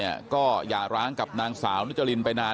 เพราะไม่เคยถามลูกสาวนะว่าไปทำธุรกิจแบบไหนอะไรยังไง